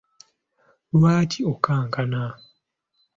Lwaki okankana?